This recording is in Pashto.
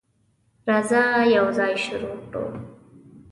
راځه، یوځای شروع کړو.